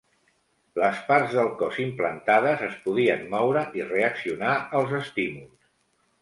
Les parts del cos implantades es podien moure i reaccionar als estímuls.